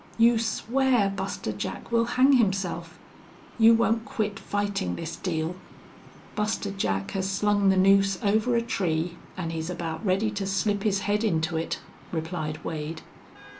You swear Buster Jack will hang himself. You won't quit fighting this deal." "Buster Jack has slung the noose over a tree, an' he's about ready to slip his head into it," replied Wade.